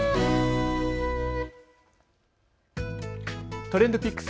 ＴｒｅｎｄＰｉｃｋｓ。